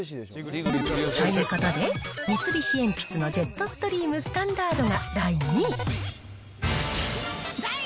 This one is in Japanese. ということで、三菱鉛筆のジェットストリームスタンダードが第２位。